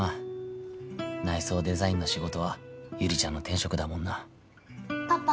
内装デザインの仕事はゆりちゃんの天職だもんなパパ。